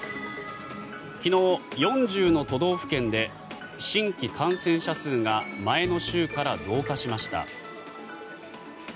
昨日、４０の都道府県で新規感染者数が前の週から増加しました。